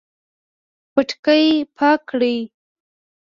پټکی پاک کړئ